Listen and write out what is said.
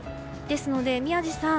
ですので、宮司さん